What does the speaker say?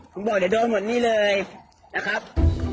ผมบอกเดี๋ยวโดนหมดนี่เลยนะครับ